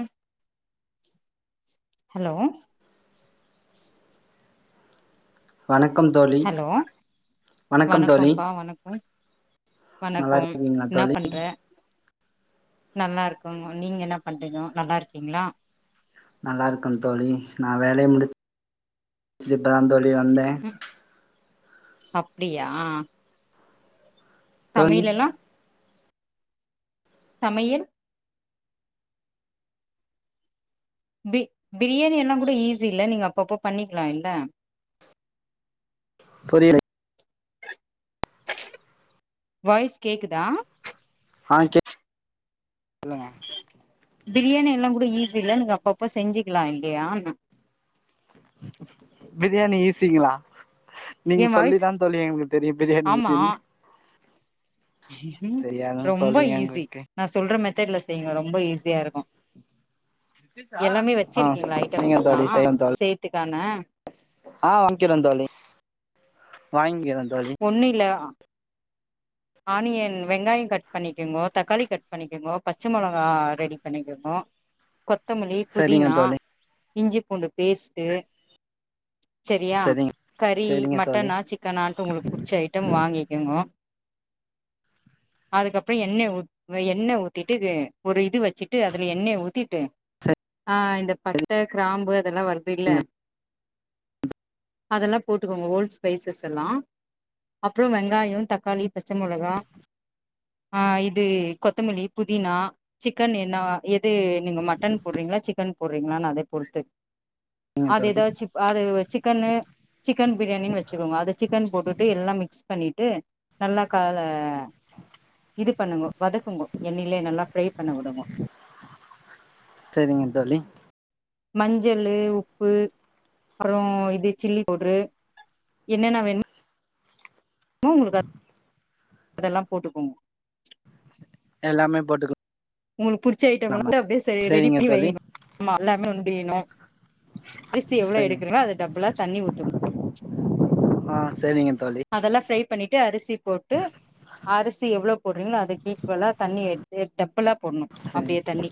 ம் ஹலோ வணக்கம் தோழி ஹலோ வணக்கம் தோழி வணக்கோம்ப்பா வணக்கோ நல்லா வணக்கோம் இருக்கீங்களா ன்னா தோழி பண்ற நல்லா இருக்குங்க நீங்க என்ன பண்றீங்கோ நல்லா இருக்கீங்ளா நல்லா இருக்கோ தோழி நா வேலைய முடிச்சி இப்ப தா தோழி வந்தே அப்டியா தோழி சமையல் எல்லா சமையல் பி பிரியாணி எல்லா கூட ஈஸி இல்ல நீங்க அப்பப்ப பண்ணிக்கலா இல்ல புரிய வாய்ஸ் கேக்குதா ஆ கேக் சொல்லுங்க பிரியாணி எல்லா கூட ஈஸி இல்ல நீங்க அப்பப்ப செஞ்சிக்கலா இல்லையா பிரியாணி ஈசிங்களா ஏ நீங்க சொல்லி வாய்ஸ் தா தோழி எங்களுக்கு தெரியு பிரியாணி ஈசினு ம் தெரியாதுன்னு ரொம்ப தோழி ஈஸி எங்களுக்கு நா சொல்ற மெத்தட்ல செய்ங்கோ ரொம்ப ஈஸியா இருக்கு எல்லாமே ஆ வெச்சிருக்கீங்களா ஐட்டம்ஸ் சரிங்க எல்லா தோழி செய்றே தோழி செய்ர்துக்கான ஆ வாங்கிறேந் தோழி வாங்கிற தோழி ஒன்னு இல்லே ஆனியன் வெங்காயொ கட் பண்ணிக்கெங்கோ தக்காளி கட் பண்ணிக்கெங்கோ பச்ச மொளகா ரெடி பண்ணிக்கோனு கொத்தமல்லி சரிங்க புதினா தோழி இஞ்சி பூண்டு பேஸ்ட்டு செரியா சரிங்க கறி சரிங்க தோழி மட்டனா சிக்கனான்ட்டு உங்களுக்கு புடிச்ச ஐட்டம் வாங்கிக்கெங்கோ அதுக்கப்பறோ எண்ணய எண்ணெ ஊத்திட்டு வெ ஒரு இது வெச்சிட்டு அதுல எண்ணெய ஊத்திட்டு ஆ இந்த சரிங்க பட்ட கிராம்பு அதெல்லா வறுப்பே இல்ல அதெல்லா போட்டுக்கோங்க ஓல் ஸ்பைசஸ் எல்லா அப்பறொ வெங்காயோ தக்காளி பச்ச மொளகா இது கொத்தமல்லி புதினா சிக்கன் என்னவா எது நீங்க மட்டன் போட்றீங்களா சிக்கன் போட்றீங்களா னா அதே பொறுத்து சரிங்க அது தோழி எதா சிக் அது சிக்கன்னு சிக்கன் பிரியாணின்னு வெச்சுக்கோங்க அத சிக்கன் போட்டுட்டு எல்லா மிக்ஸ் பண்ணிட்டு நல்லா கா ல இது பண்ணுங்கோ வதக்குங்கோ எண்ணெயிலே நல்லா ஃப்ரை பண்ண உடுங்கோ செரிங்க தோழி மஞ்சளு உப்பு அப்பறோ இது சில்லி பவ்டரு என்னன்ன வேணு மோ உங்க அதெல்லா போட்டுக்கோ எல்லாமே போட்டுக்கொ உங்களுக்கு புடிச்ச ஐட்டம் எல்லா ட்டு அப்டியே செ ரெடி சரிங்க பண்ணி தோழி வைங்கோ ஆமா எல்லாமே உண்டிணு அரிசி எவ்ளோ சரி எடுக்கீறீங்கோ அது டப்புல தண்ணி ஊத்துனு ஆ செரிங்க தோழி அதெல்லா ஃப்ரை பண்ணிட்டு அரிசி போட்டு அரிசு எவ்ளோவ் போட்றீங்களோ அதுக் ஈக்வெல்லா தண்ணி எடு எ டப்புள்ளா போடணு சரிங்க அப்பிடியே தண்ணி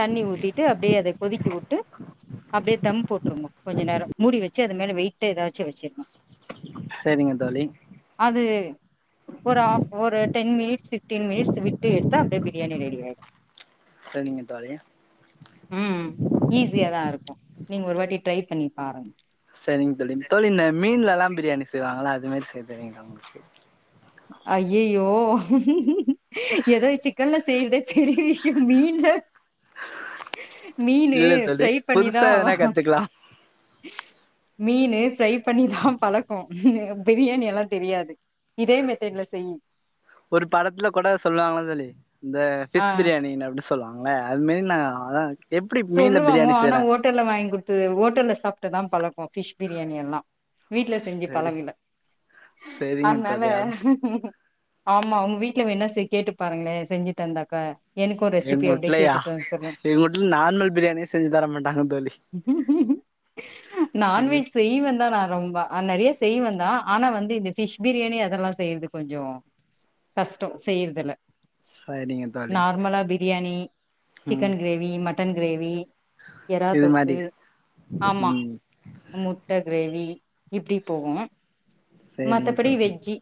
தண்ணி ஊத்திட்டு அப்பிடியே அத கொதிக்கு உட்டு அப்பிடியே தம் போட்டுருனு கொஞ்சொ நேரொ மூடி வெச்சு அது மேல வெயிட்ட எதாச்சு வெச்சுருனு செரிங்க தோழி அது ஒரு ஆஃப் ஒரு டென் மினிட்ஸ் ஃபீப்டீன் மினிட்ஸ் விட்டு எடுத்தா அப்டியே பிரியாணி ரெடியாயிரு செரிங்க தோழி ம் ஈஸியா தா இருக்கு நீங்க ஒரு வாட்டி ட்ரை பண்ணி பாருங் செரிங்க தோழி தோழி ன் இந்த மீன்ல எல்லாம் பிரியாணி செய்வாங்கள அது மாரி செய் தெரியுங்ளா உங்களுக்கு அய்யய்யோ எதோ சிக்கன்ல செய்றதே பெரிய விஷ்யொ மீன்ல மீனு இல்ல தோழி ஃப்ரை பண்ணிதா புதுசா எதனா கத்துக்கலா மீனு ஃப்ரை பண்ணிதா பழக்கோ பிரியாணி எல்லா தெரியாது இதே மெத்தட்ல செயி ஒரு படத்துல கூட சொல்லுவாங்கள தோழி இந்த ஆ ஃபிஷ் பிரியாணின்னு அப்டி சொல்லுவாங்கள அது மாரி நா அதா எப்டி மீன்ல சொல்லுவாங்க பிரியாணி ஆனா செய்றா ஹோட்டல்ல வாங்கி குடுத்தது ஹோட்டல்ல சாப்ட்டுதா பழக்கோ ஃபிஷ் பிரியாணி எல்லா வீட்ல செஞ்சு சரி பழகில சரிங்க அத்னால தோழி அது ஆமா அவங்க வீட்ல வேண்னா கேட்டு பாருங்களே செஞ்சு தந்தாக்க எனக்கு ரெசிபி அப்டியே கேட்டுட்டு வந்து சொல்லுங் ல் நார்மல் பிரியாணியே செஞ்சு தர மாட்டாங்க தோழி எங்க நான்வெஜ் செய்வந்தா நா ரொம்ப ஆ நறையா செய்வந்தான் ஆனா வந்து இந்த ஃபிஷ் பிரியாணி அதெல்லா செய்றது கொஞ்சொ கஷ்டொ செய்றதுல்ல சரிங்க தோழி நார்மலா பிரியாணி ம் சிக்கன் க்ரேவி மட்டன் க்ரேவி எறா இது தொக்கு மாரி ஆமா ம் முட்ட கிரேவி இப்டி போவோ சரிங்க மத்தபடி தோழி வெஜ்ஜி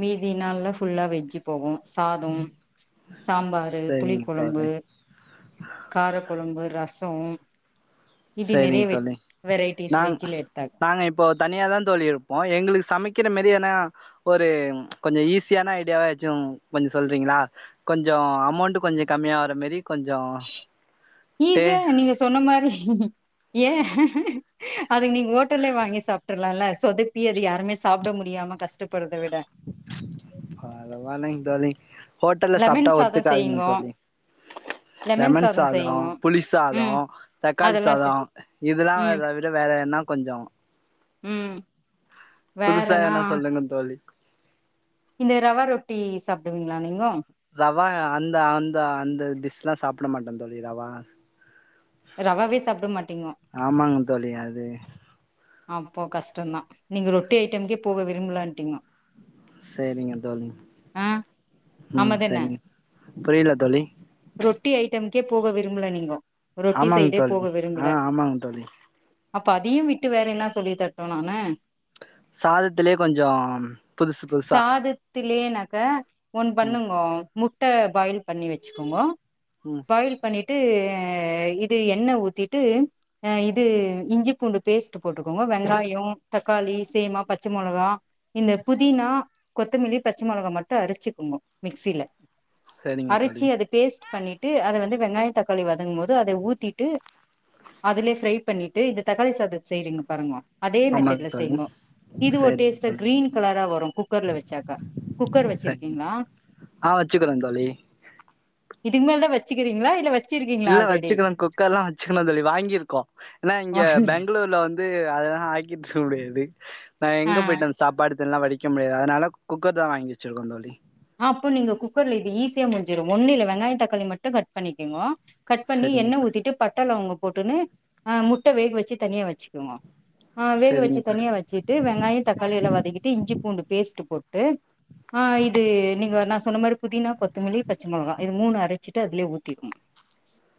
மீதி நாள்ல ஃபுல்லா வெஜ்ஜி போவோ சாதம் சாம்பாரு புளிக் சரிங்க கொழம்பு தோழி காரக் கொழம்பு ரசோம் இப்டி நிறைய சேரிங் வெட் தோழி வெரைட்டிஸ் நாங் வெஜ்ஜில எட்த்தாங் நாங்க இப்போ தனியாதாந் தோழி இருப்போ எங்ளுகு சமைக்கிற மேரி எனா ஒரு கொஞ்சோ ஈஸியான ஐடியாவாச்சு கொஞ்சோ சொல்றீங்கிளா கொஞ்சோ அமௌண்ட்டு கொஞ்சோ கம்மியாவற மேரி ஈஸியா நீங்க சொன்ன மாரி ஏ அதுக்கு நீங்க ஹோட்டல்லே வாங்கி சாப்ட்ரலால்ல சொதப்பி அது யாருமே சாப்ட முடியாம கஷ்டப்படறத விட பரவாலைங் தோழி ஹோட்டல்ல லெமன் சாப்டா சாதோ ஒத்துகாதுங்க செய்ங்கோ தோழி லெமன் சாதோ புளி சாதோ ம் தக்காளி அதெல்லா செ சாதோ இதெலா ம் [unintelligible] ட வேற என்னாக் கொஞ்சோ ம் புதுசா எதனா வேறனா சொல்லுங்க தோழி இந்த ரவா ரொட்டி சாப்டுவீங்ளா நீங்கோ ரவா அந்த அந்த அந்த டிஷ்லா சாப்ட மாட்டந் தோழி ரவா ரவாவே சாப்ட மாட்டிங்கோ ஆமாங்க தோழி அது அப்போ கஷ்டந்தா நீங்க ரொட்டி ஐட்டம்கே போக விரும்பலன்ட்டீங்கோ சேரிங்க தோழி ஆ ம் ஆமாதான சரிங்க புரில தோழி ரொட்டி ஐட்டம்கே போக விரும்பல நீங்கோ ரொட்டி ஆமாங்க சைடே தோழி போக ஆ விரும்பல ஆமாங்க தோழி அப்ப அதியு விட்டு வேற என்ன சொல்லி தரட்டு நானு சாதத்திலே கொஞ்சம் புதுசு புதுசா தில்லியேனக்கே ஒன் ம் பண்ணுங்கோ முட்ட பாயில் பண்ணி வெச்சுகோங்கோ ம் பாயில் பண்ணிட்டு இது எண்ணெ ஊத்திட்டு அ இது இஞ்சி பூண்டுப் பேஸ்ட்டு போட்டுகோங்க வெங்காயோ தக்காளி சேமா பச்ச மொளகா இந்த புதினா கொத்தமிலி பச்சமொளகா மட்டு அரச்சிகோங்கோ மிக்சில சரிங்க அரச்சி தோழி அதப் பேஸ்ட்டு பண்ணிட்டு அத வந்து வெங்காய தக்காளி வதங்கும்மோது அதெ ஊத்திட்டு அதுலே ஃப்ரைப் பண்ணிட்டு இந்த தக்காளி சாதத செய்றீங்க பாருங்கோ அதே ஆமாங்க மெத்தேட்ல தோழி செய்ங்கோ இது ஒரு சரிங்க டேஸ்ட தோழி க்ரீன் கலரா வரு குக்கர்ல வெச்சாக்கா குக்கர் சரிங்க வெச்சிருக்கீங்ளா ஆ வெச்சுகுறோந் தோழி இதுக்மேல்தா வெச்சுகிறீங்ளா இல்ல வெச் இல்ல வெச்சுகிறங் குக்கர்லா வெச்சுகிணுந் தோழி வாங்கிருக்கோ எனா இங்க வாங்கி பெங்களூர் ல வந்து அதலா ஆக்கிட்ருக்க முடியாது நா எங்க ஆ போயிட்டே சாப்பாடுத் இதெல்லா வடிக்கம் முடியாது அதனால குக்கர்தா வாங்கி வெச்சிருக்கோந் தோழி அப்போ நீங்க குக்கர்ல இது ஈஸியா முட்ஞ்சிரு ஒன்னு இல்ல வெங்காயந் தக்காளி மட்டு கட் பண்ணிகிங்கோ கட் பண்ணி சரிங்க எண்ணெ தோழி ஊத்திட்டு பட்ட லவங்க போட்டுனு அ முட்ட வேக வெச்சி தனியா வெச்சுகோங்கோ ஆ வேக சரிங்க வெச்சித் தோழி தனியா வெச்சிட் டு வெங்காயத் தக்காளி எல்லா வதக்கிட்டு இஞ்சி பூண்டு பேஸ்ட்டு போட்டு ஆ இத் இது நீங்க நா சொன்ன மாரி புதினா கொத்தமிலி பச்ச மொளகா இது மூனு அரச்சிட்டு அதுலே ஊத்திட்னு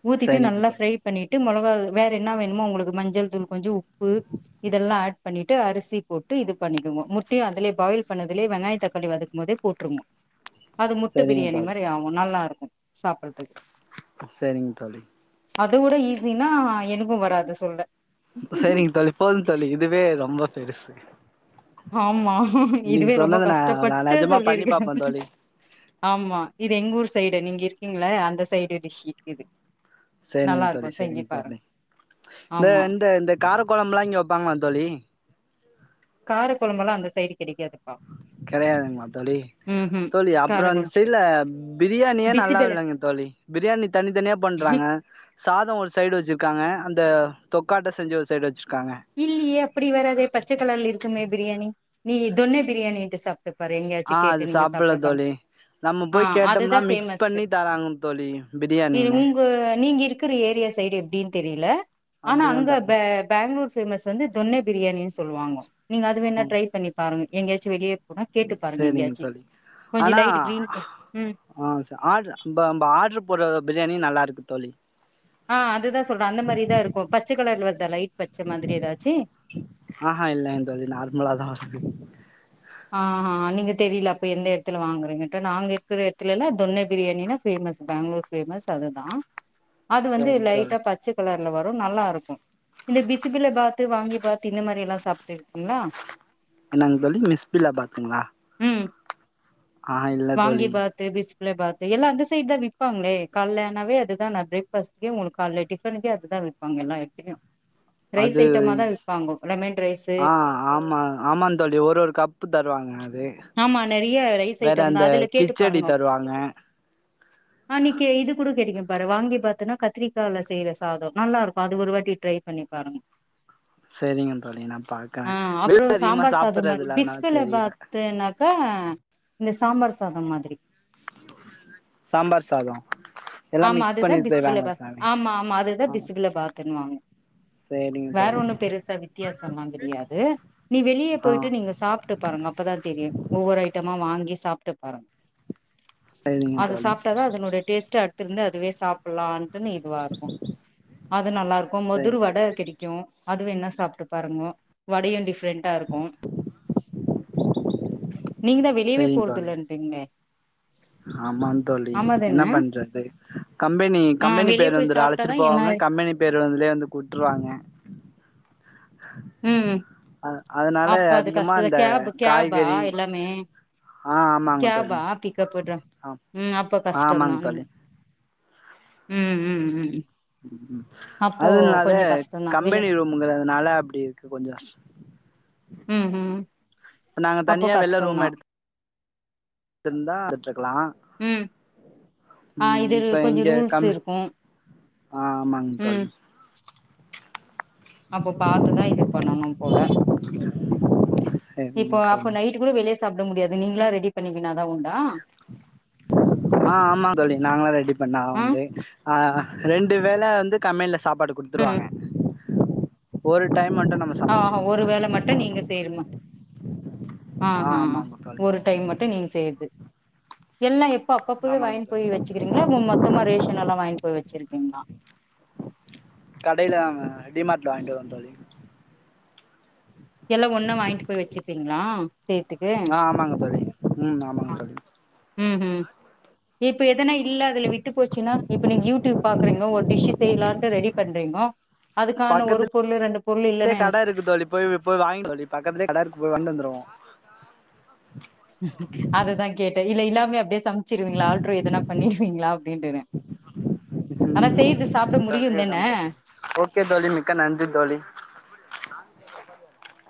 ஊத்திட்டு சரிங்க நல்லா தோழி ஃப்ரைப் பண்ணிட்டு மொளகா வேற என்னா வேணுமோ உங்குளுக்கு மஞ்சள்தூள் கொஞ்சோ உப்பு இதெல்லா ஆட் பண்ணிட்டு அரிசிப் போட்டு இது பண்ணிகோங்கோ முட்டையு அதலேப் பாயில் பண்ணதுலே வெங்காயத் தக்காளி வதக்கும்மோதுப் போட்ருங்கோ அது முட்ட சரிங்க பிரியாணி தோழி மாரி ஆவு நல்லாருக்கு சாப்பறதுக் செரிங் தோழி அதோட ஈஸினா எனக்கு வராது சொல்ல சேரிங்க தோழி போது தோழி இதுவே ரொம்ப பெருசு ஆமா நீங்க இதுவே ரொம்ப சொன்னது நா நா கஷ்டப்பட்டு நெஜமா பண்ணி சொல்லிருக்கே பாப்பே தோழி ஆமா இது எங்க ஊர் சைடு நீங்க இருக்கீங்கள அந்த சைடு டிஷ் இது சரிங்க நல்லா தோழி இருக்கு செஞ்சு சரிங்க தோழி பாருங்க இந்த ஆமா இந்த இந்த காரக் குழம்புல்லா இங்க வைப்பாங்களா தோழி கார குழம்பெல்லா அந்த சைடு கெடைக்காதுப்பா கெடையாதுங்களா தோழி ம் ம் தோழி அப்றோ இந்த காரக்கொழம்பு சைட்ல பிரியாணியே நல்லா பிசிபெல இல்லங்க தோழி பிரியாணி தனித்தனியா பண்றாங்க சாதோ ஒரு சைடு வச்சுருக்காங்க அந்த தொக்காட்ட செஞ்சு ஒரு சைடு வச்சுருக்காங்க இல்லியே அப்டி வராதே பச்ச கலர்ல இருக்குமே பிரியாணி நீ தொன்னே பிரியாணின்ட்டு சாப் ப்பப் பாரு ஆ எங்கயாச்சு அது கேட்டு நீங்க சாப்புட்ல சாப்ட்டுப் பாருங்க தோழி நம்ம ஆ போய் கேட்டோம்னா அதுதா மிக்ஸ் ஃபேமஸ் பண்ணி தராங்கன்னு தோழி பிரியாணினு அ நீங்க இருக்கிற ஏரியா சைடு எப்டின்னு தெரியல ஆனா அப்டிதா அங்க ப தராங்க பெங்ளூர் சை பேமஸ் வந்து தொன்னே பிரியாணின்னு சொல்லுவாங்க நீங்க அது வேணா ம் ட்ரை பண்ணி பாருங்க எங்கயாச்சு வெளியே வேணா கேட்டு பாருங்க சேரிங்க எங்கயாச்சி தோழி கொஞ்சோ ஆனா லைட்டு கிரீன் க ம் ஆ ச ஆட்ரு ஆர்டரு போட்ற பிரியாணி நல்லாருக்கு தோழி ஆ அது தா சொல்ற அந்த மாரிதா இருக்கு பச்ச கலர்ல வருதா லைட் பச்ச மாதிரி ஏதாச்சு ஆஹா இல்லங் தோழி நார்மலா தா வருது ஆ நீங்க தெரில அப்ப எந்த இடத்துல வாங்குறீங்கன்ட் நாங்க இருக்கிற இடத்துலலா தொன்னே பிரியாணின்னா ஃபேமஸ் பெங்ளூர் பேமஸ் அதுதா அது வந்து சேரிங்க தோழி லைட்டா பச்ச கலர்ல வரு நல்லாருக்கு இந்த பிசுபிலாபாத்து வாங்கிபாத்து இந்த மாரி எல்லா சாப்ட்டுருக்கீங்களா என்னங்க தோழி மிஸ்பில்லா பாத்துங்களா ம் ஆஹா இல்ல தோழி வாங்கிபாத் து பிஸ்பில்லாபாத்து எல்லா அந்த சைட் தா விப்பாங்களே காலைல ஆனாவே அதுதா நா பிரேக் பாஸ்ட்க்கே காலைல டிஃப னுக்கே அதுதா விப்பாங்க எல்லா எடத்துலயு ரைஸ் அது ஐட்டமா தா விப்பாங்க லெமன் ரைஸ்ஸு ஆ ஆமா ஆமாங் தோழி ஒரு ஒரு கப்பு தருவாங்க அது ஆமா நெறைய ரைஸ் வேற ஐட்டந் தா அந்த அதுல கேட்டு கிச்சடி பாருங்கோ தருவாங்க ஆ நீக்க இது கூட கேட்டிங்க பாரு வாங்கிபாத்துன்னா கத்திரிக்காய்ல செய்ற சாதோ நல்லாருக்கு அது ஒரு வாட்டி ட்ரை பண்ணி பாருங்க சேரிங்க தோழி நா பாக்குறே ஆ வெ அப்றோ [inaudible] அதிகமா சாப்புறது இல்ல அதனால தெரில துனாக்க இந்த சாம்பார் சாதோ மாதிரி சம்பார் சாதோ எல்லா ஆமா மிக்ஸ் அதுதா பண்ணி செய்வாங்க பிஸ்பிலாபாத் சாமி ஆமா ஆமா அதுதா ஆ பிஸ்பிலாபாத்துனுவாங்க சேரிங்க வேற தோழி ஒண்ணு பெருசா வித்தியாசம்லா தெரியாது நீ வெளியே ஆ போய்ட்டு நீங்க சாப்ட்டு பாருங்க அப்பதா தெரியு ஒவ்வொரு ஐட்டமா வாங்கி சாப்ட்டு பாருங்க சரிங்க அத தோழி சாப்ட்டாதா அதனுடைய டேஸ்ட் அடுத்திருந்து அதுவே சாப் லாம்ட்டு இதுவாருக்கு அது நல்லாருக்கு சரி மிதுர் வட கிடை க்கு அதுவேணா சாப்ட்டு பாருங்க வடையு டிஃப்ரெண்ட் இருக்கு நீங்க தா வெளியவே போறதில்லன்றீங்களே ஆமாங் தோழி என்ன பண்றது கம்பெனி ஆ கம்பெனி வெளிய போய் பேருந்துல அழச்சிட்டு சாப்ட்டாதா என்ன போவாங்க கம்பெனி பேருந்துலே வந்து உட்ருவாங்க ம் அ அதனால அப்ப அது அதிகமா கஷ்டதா இந்த கேப் கேபா காய்கறி எல்லாமே ஆ ஆமாங்க தோழி கேபா பிக்கப் டிராப் ஆ ம் அப்போ கஷ்டம் தா ஆமாங்க தோழி ம் ம் ம் அப்போ அதுனால கொஞ்சோ கஷ்டந்தா வெளி கம்பெனி ரூம்ங்கறதுனால அப்டி இருக்கு கொஞ்சோ ம் ம் இப்ப நாங்க அப்போ தனியா வெள்ள ரூம் கஷ்டந்தா எடுத் திர்ந்தா விட்டுருக்கலா ம் ஆ ம் இது இப்ப கொஞ்சோ இங்க ரூல்ஸ் கம்மி இருக்கு ஆ ஆமாங் ம் அப்ப பாத்துதா இது பண்ணணு போல இப்போ சரிங்க அப்ப தோழி நைட் டு கூட வெளியே சாப்ட முடியாது நீங்ளா ரெடி பண்ணிகினாதா உண்டா ஆ ஆமா தோழி நாங்களா ரெடி பண்ணா தா ஆ உண்டு ஆ ரெண்டு வேள வந்து கம்பெனில சாப்பாடு ம் குடுத்துருவாங்க ஒரு டைம் மட்டு நம்ம ஆ ஆஹா சமைச்சுக்கணு ஒரு தோழி வேள மட்டு நீங்க செய்யனுமா ஆ ஹா ஆமாங்க தோழி ஒரு டைம் மட்டு நீங்க செய்றது எல்லா எப்ப அப்பப்பயே ஆமாங்க வாங்கின் போய் தோழி வச்சிக்கிறீங்களா இப்ப மொத்தமா ரேஷ் எண்ணலா வாங்கி போய் வச்சிருக்கீங்ளா கடையில அங்க டிமார்ட்ல வாங்கிட்டு வருவோ தோழி எல்லாம் ஒன்னா வாங்கிட்டு போய் வச்சிருப்பீங்ளா செய்றதுக்கு ஆ ஆமாங்க தோழி ம் ஆமாங்க தோழி ம் ம் இப்போ எதுனா இல்ல அதுல விட்டு போச்சுன்னா இப்ப நீங்க யூடியூப் பாக்குறீங்க ஒரு டிஷு செய்லான்ட்டு ரெடி பண்றீங்கோ அதுக்கான ஒரு பக்கத்துலே பொருளு ரெண்டு பொருளு இல்லனா என்ன கட இருக்கு தோழி போய் போய் வாங்கிட்டு வாடி பக்கத்துலேயே கட இருக்கு போய் வந்து வந்துருவோ அததா கேட்ட இல்ல இல்லாமயே அப்டியே சம்ச்சிருவீங்ளா ஆல்ட்ர் எதுனா பண்ணிருவீங்ளா அப்டின்டுற ஆனா செய்ற்து இத அப்டியே விட மாட்டே ப்ரோ ஓகே தோழி மிக்க நன்றி தோழி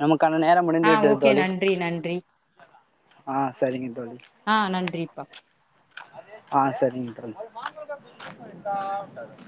நமக்கான நேரம் ஆ முடிஞ்சிட்டு ஓகே தோழி நன்றி நன்றி ஆ சரிங்க தோழி ஆ நன்றிப்பா ஆ சேரிங்க தோழி